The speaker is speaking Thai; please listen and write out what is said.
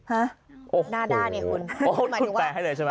ฮะหน้าด้านเนี่ยคุณแปลให้เลยใช่ไหม